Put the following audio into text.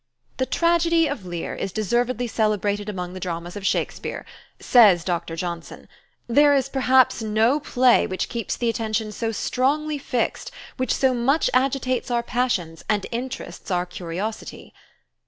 "The tragedy of Lear is deservedly celebrated among the dramas of Shakespeare," says Dr. Johnson. "There is perhaps no play which keeps the attention so strongly fixed, which so much agitates our passions, and interests our curiosity."